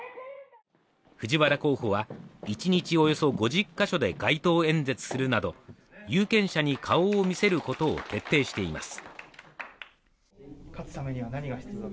藤原候補は１日およそ５０か所で街頭演説するなど有権者に顔を見せることを徹底しています